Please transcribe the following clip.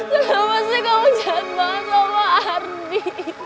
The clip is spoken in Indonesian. kenapa sih kamu jahat banget sama ardi